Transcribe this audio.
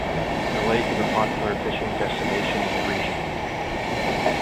The lake is a popular fishing destination in the region.